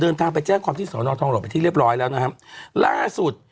เดินทางไปแจ้งความที่สอนอทองหลบไปที่เรียบร้อยแล้วนะครับล่าสุด